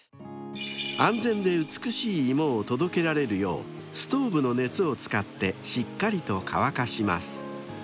［安全で美しいイモを届けられるようストーブの熱を使ってしっかりと乾かします］